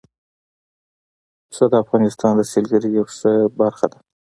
پسه د افغانستان د سیلګرۍ یوه ښه برخه ده.